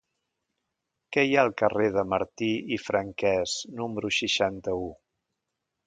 Què hi ha al carrer de Martí i Franquès número seixanta-u?